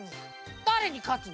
だれにかつの？